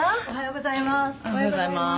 おはようございます。